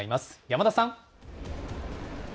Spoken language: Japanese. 山田さん。